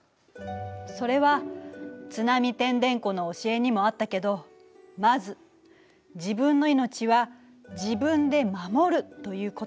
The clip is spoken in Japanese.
それは「津波てんでんこ」の教えにもあったけどまず自分の命は自分で守るということ。